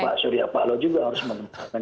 dan pak surya pahlaw juga harus menempatkan